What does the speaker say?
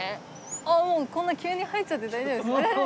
あっこんな急に入っちゃって大丈夫ですか？